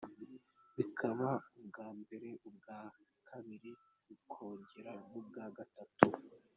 Bikaba ubwa mbere, ubwa kabiri, bikongera n’ubwa gatatu.